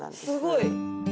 すごい。